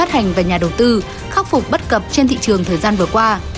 hành và nhà đầu tư khắc phục bất cập trên thị trường thời gian vừa qua